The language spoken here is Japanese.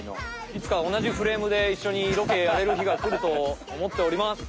いつかおなじフレームでいっしょにロケやれるひがくると思っております。